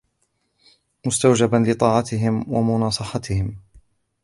مُسْتَوْجِبًا لِطَاعَتِهِمْ وَمُنَاصَحَتِهِمْ